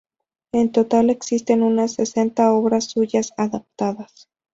En total existen unas sesenta obras suyas adaptadas.